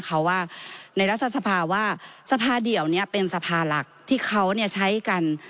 เขาว่าในรัฐสภาว่าสภาเดียวนี้เป็นสภาหลักที่เขาใช้กัน